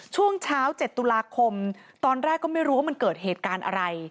ช่วงเช้า๗ตุลาคมตอนแรกก็ไม่รู้ว่ามันเกิดเหตุการณ์อะไร